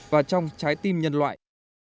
và trong trái tim nhân loại